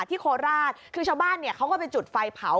ที่โคลาสคือชาวบ้านเขาก็เป็นจุดไฟเผา